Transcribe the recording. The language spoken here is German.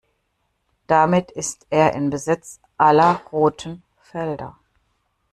Damit ist er in Besitz aller roten Felder.